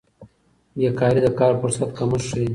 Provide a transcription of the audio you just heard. بیکاري د کار فرصت کمښت ښيي.